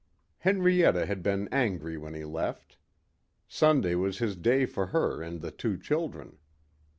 Henrietta had been angry when he left. Sunday was his day for her and the two children.